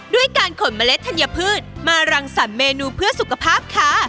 ด้วยการขนเมล็ดธัญพืชมารังสรรคเมนูเพื่อสุขภาพค่ะ